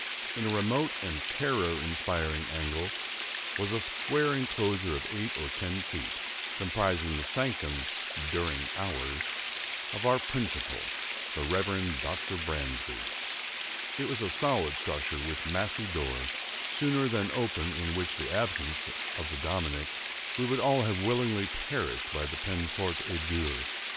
In a remote and terror inspiring angle was a square enclosure of eight or ten feet, comprising the sanctum, "during hours," of our principal, the Reverend Dr. Bransby. It was a solid structure, with massy door, sooner than open which in the absence of the "Dominie," we would all have willingly perished by the peine forte et dure.